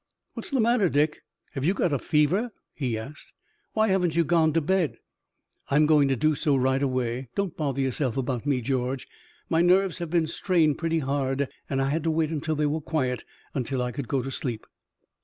"What's the matter, Dick? Have you got a fever?" he asked. "Why haven't you gone to bed?" "I'm going to do so right away. Don't bother yourself about me, George. My nerves have been strained pretty hard, and I had to wait until they were quiet until I could go to sleep."